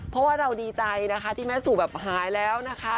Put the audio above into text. เพราะว่าเราดีใจนะคะที่แม่สู่แบบหายแล้วนะคะ